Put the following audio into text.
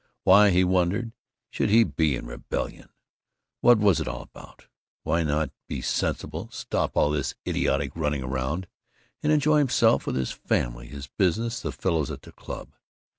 Why, he wondered, should he be in rebellion? What was it all about? "Why not be sensible; stop all this idiotic running around, and enjoy himself with his family, his business, the fellows at the club?"